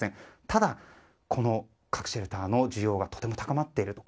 ただ、この核シェルターの需要がとても高まっていると。